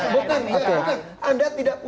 bukan ya nanti dulu